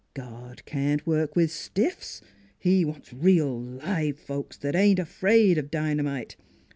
God can't work with stiffs; he wants real, live folks that ain't afraid of dynamite.